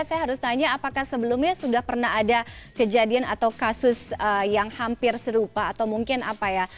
saya harus tanya apakah sebelumnya sudah pernah ada kejadian atau kasus yang hampir serupa atau mungkin apa ya